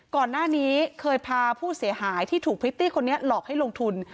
ก่อนหน้านี้เคยพาผู้เสียหายที่ถูกพริตตี้คนนี้หลอกให้ลงทุน